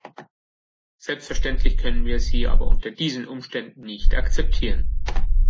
Selbstverständlich können wir sie aber unter diesen Umständen nicht akzeptieren.